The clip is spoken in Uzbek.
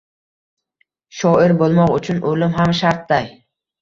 shoir boʼlmoq uchun oʼlim ham shartday.